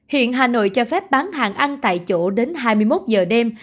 hiện hà nội cho phép bán hàng ăn tại chỗ đến hai mươi một giờ đêm